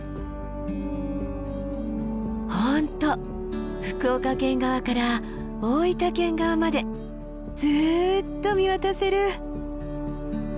本当福岡県側から大分県側までずっと見渡せる！